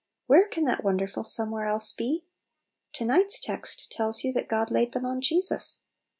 Where can that wonderful " somewhere else " be ? To night's text tells you that God laid them on Jesus.